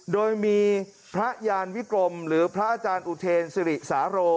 โดยมีพระยานวิกรมหรือพระอาจารย์อุเทนสิริสาโร